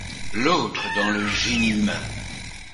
L'autre dans le génie humain !